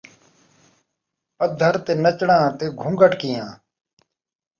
پدھر تے نچݨا تے گھنگھٹ کیہاں